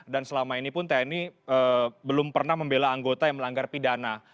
dan selama ini pun tni belum pernah membela anggota yang melanggar pidana